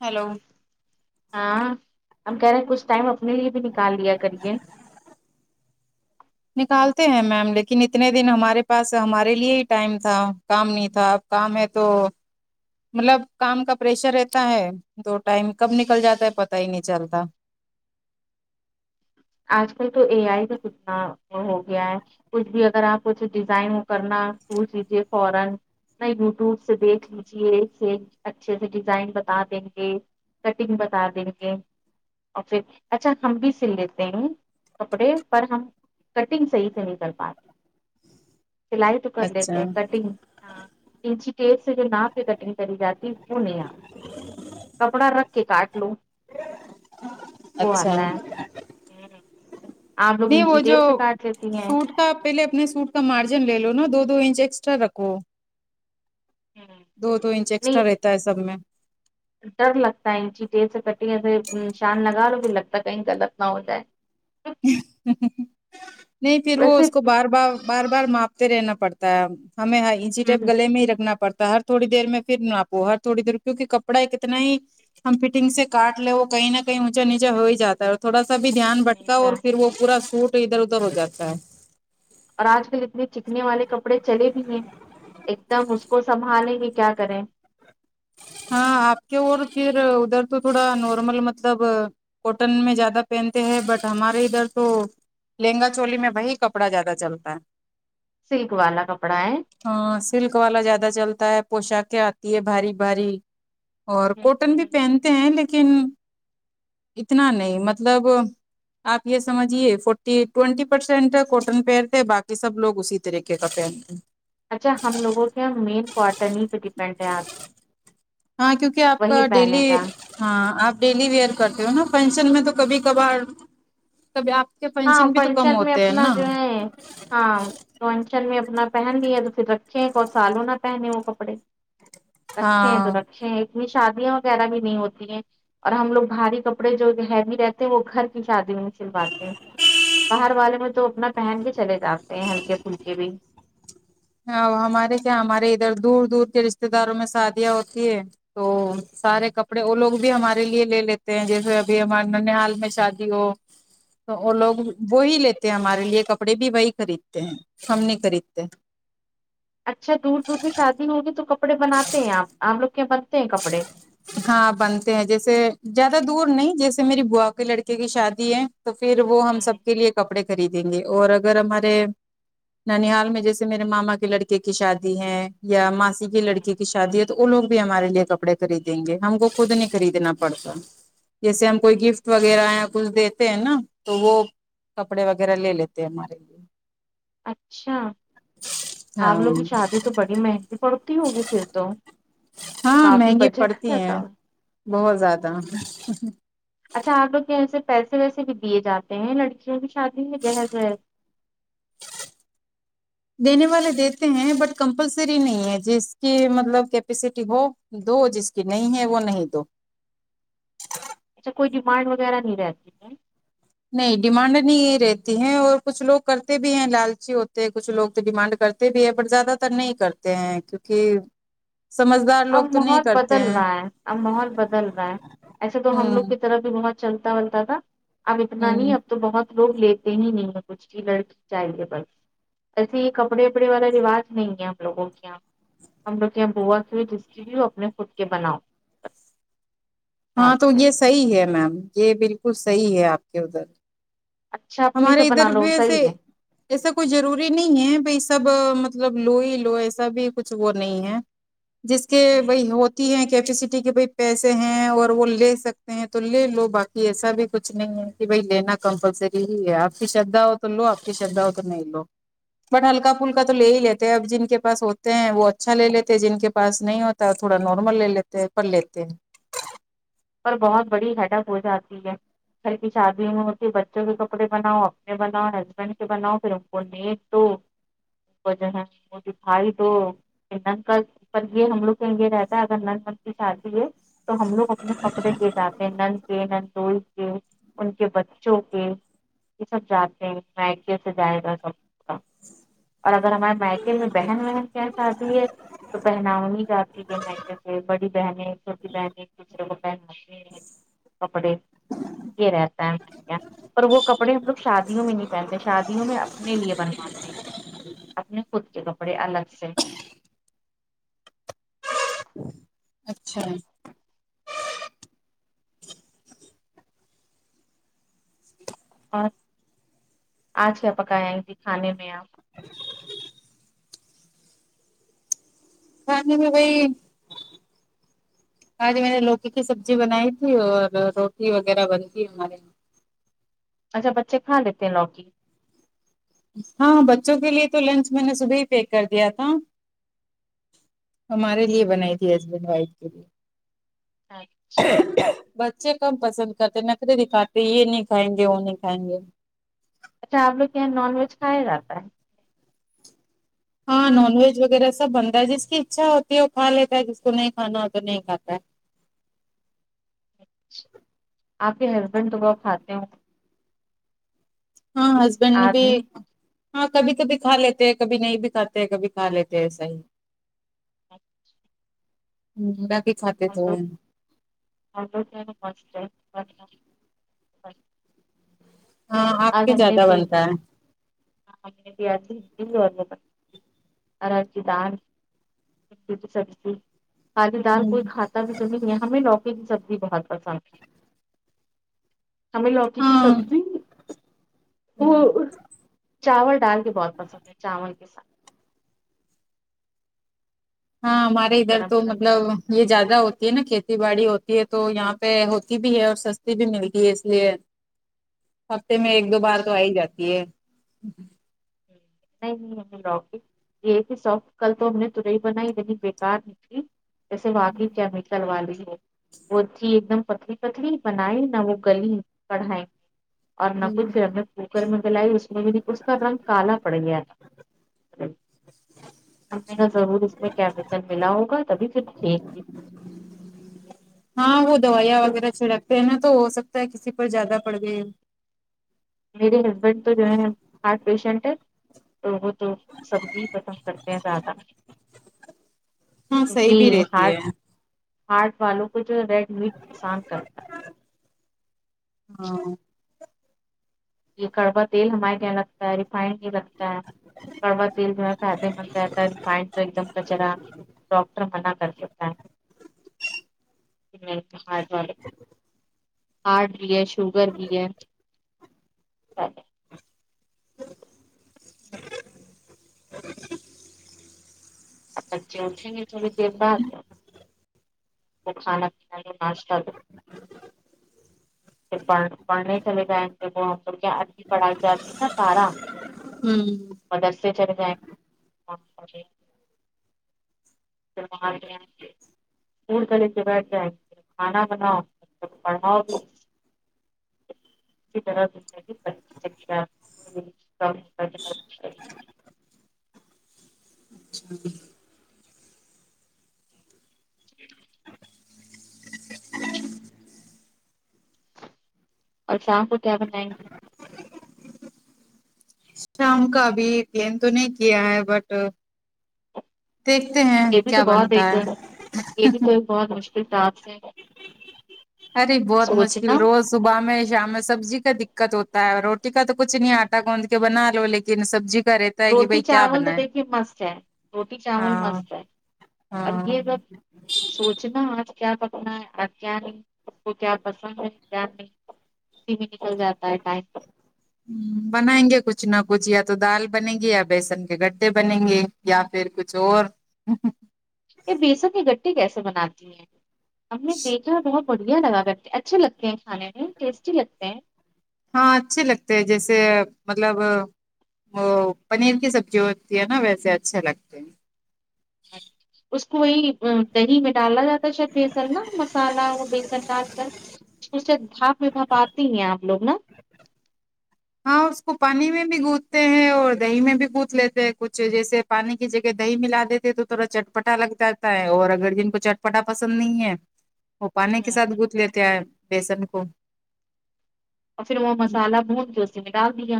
hello ہاں ہم کہہ رہے ہیں کچھ ٹائم اپنے لیے بھی نکال لیا کریے نکالتے ہیں میم لیکن اتنے دن ہمارے پاس ہمارے لیے ہی ٹائم تھا کام نہیں تھا اب کام ہے تو مطلب کام کا پریشر رہتا ہے دو ٹائم کب نکل جاتا ہے پتا ہی نہیں چلتا آج کل تو اے آئی کا کتنا ہو گیا ہے کچھ بھی اگر آپ کچھ ڈیزائن کرنا وہ چیزیں فورن میں یوٹیوب سے دیکھ لیجے اچھے سے ڈیزائن بتا دیں گے کٹنگ بتا دیں گے اور پھر اچھا ہم بھی سل لیتے تے ہے کپڑے پر ہم کٹنگ صحیح سے نہیں کر پاتے سلائی تو کر لیتے اچھا ہیں کٹنگ ہاں انچی ٹیپ سے جو ناپ کے کٹنگ کری جاتی ہے وہ نہیں اتا کپڑا رکھ کے کاٹ لو وہ اچھا آتا آپ لوگ انچی ٹیپ سے کاٹ لیتی ہیں آپ پہلے اپنے سوٹ کا مارجن لے لو نا دو دو انچ ایکسٹرا رکھو دو دو انچ ایکسٹرا نہیں رہتا ہے سب میں ڈر لگتا ہےچیٹیل سے کٹ ایے شان لگاارو بھی لگتا ہے کہیں غلط نہ ہو جائے نہیں پھر وہ ویسے اس کو بار بار بار بار ماپتے رہنا پڑتا ہے ہمیں ٹائپ ہمم گلے میں ہی رگنا پڑتا ہر تھوڑی دیر میں پھر ن آپو ہر تھوڑی دیر میں کیونکہ کپڑا اتنا ہی ہم فٹنگ سے کاٹ لے وہ کہیں نہ کہیں اونچا نیچے ہو ہی جاتا ہے تھوڑا سا بھی دھیان اچھا بٹا اچھا اور پھر وہ پورا سوٹ ادھر ادھر ہو جاتا ہے اور آج کل اتنے چکنے والے کپڑے چلے بھی ہیں ایک دم اس کو سنبھالیں کی کیا کریں ہاں آپ کے اور پھر ادھر تو تھوڑا نارمل مطلب کوٹن میں زیادہ پہنتے ہیں بٹ ہمارے ادھر تو لہنگا چولی میں وہی کپڑا جیادہ چلتا ہے سلک والا کپڑا ہے ہاں سلک والا زیادہ چلتا ہے پوشاکیں آتی ہے بھاری بھاری اور کوٹن بھی پہنتے ہیں لیکن اتنا نہیں مطلب آپ یہ سمجھیے فورٹی ٹوینٹی پرسینٹٹن کوٹن پھر تھے باقی سب لوگ اسی طریقے کپھن اچھا ہم لوگوں کے یہ مین کوٹرنی پہ ڈیپینڈ ہے آپ ہاں کیونکہ آپ کا وہی پہنے ڈیلی کا ہاں آپ ڈیلی ویئر کرتے ہو نا فنشن میں تو کبھی کبھار کبھی آپ کے ہاں پینشن بھی تو کم فنکشن میں ہوتے ہیں اپنا نا جو ہے ہاں تو انچل میں اپنا پہن لیا تو پھر رکھے کو سالوں نہ پہن وہ کپڑے رکھے ہیں تو ہاں رکھے ہیں اتنی شادیاں وغیرہ بھی نہیں ہوتی ہیں اور ہم لوگ بھاری کپڑے جو ہیوی رہتے ہیں وہ گھر کی شادی میں سلواتے ہیں باہر والے میں تو اپنا پہن کے چلے جاتے ہیں ہلکے پھلکے بھی ہاں ہمارے کیا ہمارے ادھر دور دور کے رشتے داروں مے سادیا ہوتی ہے تو سارے کپڑے وہ لوگ بھی ہمارے لیے لے لیتے ہیں جیسے ابھی ہمار نن حال میں شادی ہو تو وہ ہوں لوگ وہی لیتے ہیں ہمارے لیے کپڑے بھی وہی خریدتے ہیں ہم نہیں خریدتے ہیں اچھا دور دور میں شادی ہوگی تو کپڑے بناتے ہیں آپ آپ لوگ کے بنتے ہیں کپڑے ہاں بنتے ہیں جیسے جیادہ دور نہیں جیسے میری بوا کے لڑکے کی شادی ہے تو پھر وہ ہم ہوں سب کے لیے کپڑے خریدیں گے اور اگر ہمارے ننحال میں جیسے میرے ماما کے لڑکے کی شادی ہے یا ماسی کی ہوں لڑکی کی شادی ہے تو وہ لوگ بھی ہمارے لیے کپڑے خریدیں گے ہم کو خود نہیں خریدنا پڑتا جیسے ہم کوئی ہوں گفٹ وغیرہ کچھ دیتے ہیں نا تو وہ کپڑے وغیرہ لے لیتے ہیں ہمارے لیے اچھا آپ لوگوں کی ہاں شادی تو بڑی مہنگی پڑتی ہوگی پھر تو ہاں کافی مہنگی بجٹ پڑتی رہتا ہیں ہو بہت زیادہ اچھا آپ لوگ یہاںس سے پیسے ویسے بھی دیے جاتے ہیں لڑکیوں کی شادی میں جہیز وہیز دینے والے دیتے ہیں بٹ کمپلسری نہیں ہے جس کی مطلب کیپیسٹی ہو دو جس کی نہیں ہے وہ نہیں دو اچھا کوئی ڈیمانڈ وغیرہ نہیں رہتی نہیں ڈیمانڈ نہیں رہتی ہے اور کچھ لوگ کرتے بھی ہیں لالچی ہوتے کچھ لوگ تو ڈیمانڈ کرتے بھی ہے پر زیادہ تر نہیں کرتے ہیں کیونکہ سمجھگار اب ماحول بدل رہا ہے اب ماحول بدل رہا ہے ایسے تو ہم ہوں لوگ کی طرف بھی بہت چلتا بلتا تھا اب اتنا نہیں ہوں اب تو بہت لوگ لیتے دین ہی نہیں ہے کچھ کی لڑک چاہیے بس ایسے ہی کپڑے وپڑے والا رواج نہیں ہے ہم لوگوں کے یہاں ہم لوگ کے یہاں بو پھر جس کے بھی ہو اپنے خود کے بناؤ ہاں شادی تو میں یہ صحیح ہے میم یہ بالکل صحیح ہے آپ کے ادھر اچھا اپنے ہمارے سے ادھر بنا لو بھی ایسے صحیح ایسا کوئی ضروری نہیں ہے بائی سب مطلب لو ہی لو ایسا بھی کچھ وہ نہیں ہے جس کے ہے وہی ہوتی ہے کیپیسٹی کے ب پیسے ہیں اور وہ لے سکتے ہیں تو لے لو باقی ایسا بھی کچھ نہیں ہے کہ بھائی لینا کمپلسری ہی ہے آپ کی شردھا ہو تو لو آپ کی شردھا ہو تو نہیں لو بٹ ہلکا پھلکا تو لے ہی لیتے ہیں اب جن کے پاس ہوتے ہیں وہ اچھا لے لیتے جن کے پاس نہیں ہو تا ہ تھوڑا نارمل لے لیتے ہے پر لیتے ہیں پر بہت بڑی ہیڈک ہو جاتی ہے گھر کی شادی میں ہوتی بچوں کے کپڑے بناؤ اپنے بناؤ ہسبینڈ کے بناؤ پھر ان کو نیک تو وجہ ہے ان کی فائل دو نند کا پر یے ہم لوگ کے لیے رہتا ہے اگر نند کی شادی ہے تو ہم لوگ اپنے کپڑے کیے جاتے ہیں نند کے نندوی کے ان کے بچوں کے یے سب جاتے ہیں مائکیے سے جایگا سب اور اگر ہمارے مائکے میں بہن وہن کے یہاں شادی تو پہناؤ نہیں جاتی ہے مائی کے سے بڑی بہنیں چھوٹی بہنیں کچھ بہنوئی کے کپڑے یے رہتا ہے پر وہ کپڑے ہم لوگ شادیوں میں نہیں پہنتے شادیوں میں اپنے لیے بنواتے ہیں اپنے خود کے کپڑے الگ سے اچھا اور آج کیا پکایا ہے جی کھانے میں آپ کھانے میں وہی آج میں نے لوکی کی سبزی بنائی تھی اور روٹی وغیرہ بنتی ہے ہمارے یہاں اچھا بچے کھا لیتے ہیں لوکی ہاں بچوں کے لیے تو لنچ میں نے صبح ہی پیک کر دیا تھا ہمارے لیے بنائی تھی ہسبینڈ وائف کے لیے اچھا بچے کم پسند کرتے نخرے دکھاتے یے نہیں کھائیں گے وہ نہیں کھائیں گے اچھا آپ لوگ کے یہاں نان ویج کھایا جاتا ہے ہاں نان ویج وغیرہ سب بنتا ہے جس کی اکچھا ہوتی ہے وہ کھا لیتا ہے جس کو نہیں کھانا ہو تو نہیں کھاتا ہے آپ کے ہسبینڈ تو وہ کھاتے ہو ہاں ہسبینڈ نے بھی آدمی ہاں کبھی کبھی کھا لیتے ہیں کبھی نہیں بھی کھاتے ہیں کبھی کھا لیتے ایسا ہی اچھا لاکے کھاتے تو [unintelligible] ہاں آپ اج کے ہم نے زیادہ پی بنتا [unintelligible] روٹی سبزی خالی دال ہے کوئی کھاتا بھی نہیں ہے ہمیں لوکی کی سبزی بہت پسند ہممیں لوکی کی ہاں سبزی چاول دال کے بہت پسند ہے چاول کے ساتھ ہاں ہمارے ادھر گرم تو گرم مطلب چ یے زیادہ ہوتی ہے نا کھیتی باڑی ہوتی ہے تو یہاں پے ہوتی بھی ہے اور سستی بھی ملتی ہے اس لیے ہفتے میں ایک دو بار تو آ ہی جاتی ہے نہیں لوکی [unintelligible] یے کہ سف کل تو ہم نے ترائی بنائی اتنی بےکار نکلی جیسے واقع کیا وہ تھی ایک دم پتلی پتلی بنائی نہ وہ گلی کڑھائی [unintelligible] اور نہ کچھ ہم نے کوکر میں گلائی اس میں بھی نہیں اس کا رنگ کالا پڑ گیا تھا ہم نے کہا ضرور اس میں کیمی کل ملا ہوگا تبھی [unintelligible] ہاں وہ دوائ تو وغیرہ چھڑک تےہے تو ہو سکتا ہے کسی پر زیادہ پڑ گئی ہو میرے ہسبینڈ تو جو ہے ہارٹ پیشنٹ ہے تو وہ تو سبزی ہی پسند کرتے ہیں زیادہ ہاں صحیح کیونکی بھی اس رہتی ہے ہارٹ ہارٹ والوں کو جو ہے ریڈ میٹ نقصان کرتا ہے ہاں یہ کڑوا تیل ہمارے کیاں لگتا ہے ریفائن نہیں لگت ا کڑوا تیل جو فائدے مند رہتا ہے ریفائن ایک دم کچرا ڈاکٹر منع کر دیتا ہے ہارٹ والے ہارٹ بھی ہے شوگر بھی ہے [unintelligible] [inaudible] آپ بچے اٹھیں گے تھوڑی دیر بعد کھانا پینا میں ناشتہ پ پڑ پڑھنے چلے جائیں وہ کیا ادھی پڑھائی جاتی ہے نا تارہ ہوں مدرسے چلے جاینگے [unintelligible] [unintelligible] دور گلے سے بیٹھ جائ کھانا بناؤ پڑھاؤ [unintelligible] اچھا [unintelligible] چ اور شام کو کیا بنائیں گی شام کا ابھی پلین تو نہیں کیا ہے بٹ دیکھتے ہیں یہ بھی کیا تو بہت بنتا ایک ہے یہ بھی کوئی بہت مشکل ٹاسک ہے ارے بہت مشکل سوچنا روز صبح میں شام میں سبزی کا دقت ہوتا ہے روٹی کا تو کچھ نہیں آٹا گوند کے بنا لو لیکن سبزی کا رہ روٹی چاول تو دیکھیے مسٹ ہے روٹی چاول ہاں مسٹ ہے اور ہاں یہ سب سوچنا آج کیا پکنا ہے آج کیا نہیں اس کو کیا پسند ہے کیا نہیں اسی میں نکل جاتا ہے ٹائم بنائیں گے کچھ نہ کچھ یا تو دال بنیں گے یا بیسن کے گڈھے بنیں گے یا پھر کچھ اور [unintelligible] یہ بیسن کی گٹی کیسے بناتی ہیں ہم نے دیک کھ بہت بڑھیا لگا کرتے ہیں اچھے لگتے ہیں کھانے میں ٹیسٹی لگتے ہیں ہاں اچھے لگتے ہیں جیسے مطلب وہ پنیر کی سبزی ہوتی ہے نا ویسے اچھے لگتے ہیں ا [unintelligible] اس کو وہی دہی میں ڈالا جاتا شاید بیسن نا مسالہ وہ بیسن ڈال کر اس سے بھاپ میں بھپاتی ہی ہیں آپ لوگ نا ہاں اس کو پانی میں بھی گدتے ہیں اور دہی میں بھی گد لیتے ہیں کچھ جیسے پانی کی جگہ دہی ملا دیتے تو تھوڑا چٹپٹا لگ جاتا ہے اور اگر جن کو چٹپٹا پسند نہیں ہے وہ پانی کے ہوں ساتھ گتھ لیتے ہیں بیسن کو اور پھر وہ مسالہ بھون کے اس میں ڈال دیا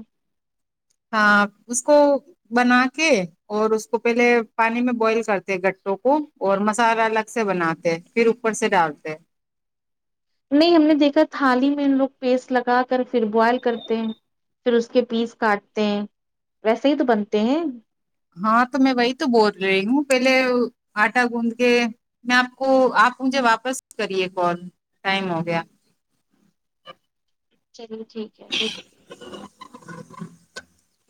ہاں اس کو بنا کے اور اس کو پہلے پانی میں بوائل کرتے گٹوں کو اور مسالہ الگ سے بناتے پھر اوپر سے ڈالتے نہیں ہم نے دیکھا تھالی میں لوگ پیسٹ لگا کر پھر بوائل کرتے ہیں پھر اس کے پیس کاٹتے ہیں ویسے ہی تو بنتے ہیں ہاں تو میں وہی تو بول رہی ہوں پہلے آٹا گوند کے میں آپ کو آپ مجھے واپس کریے کال ٹائم ہو گیا چلیے ٹھیک ہے ایک